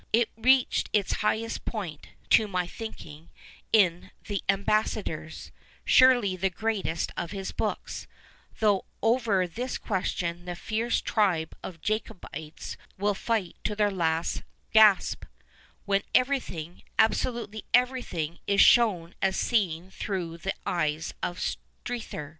It reached its highest point, to my thinking, in The Ambassador fi, surely the greatest of his books (though over this question the fierce tribe of Jacobites will fight to their last gasp), when everything, absolutely everything, is shown as seen through the eyes of Strethcr.